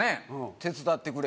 「手伝ってくれ」